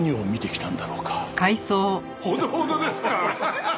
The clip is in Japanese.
ほどほどですか？